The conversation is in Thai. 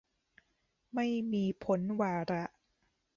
ไม่มีพ้นวาระ